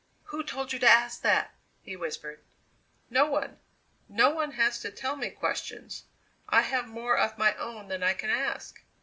"Who told you to ask that?" he whispered. "No one. No one has to tell me questions; I have more of my own than I can ask.